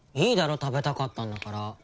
いいだろ食べたかったんだから。